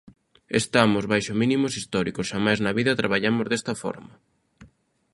Estamos baixo mínimos históricos, xamais na vida traballamos desta forma.